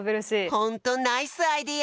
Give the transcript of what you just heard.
ホントナイスアイデア！